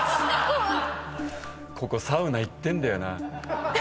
ここサウナ行ってんだよな。